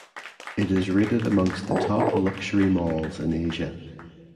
It is rated amongst the top luxury malls in Asia.